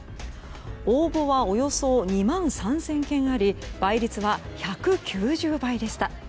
応募はおよそ２万３０００件あり倍率は１９０倍でした。